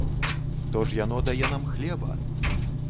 То ж яно дае нам хлеба!